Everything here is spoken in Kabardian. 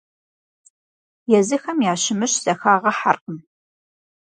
Езыхэм ящымыщ зыхагъэхьэркъым.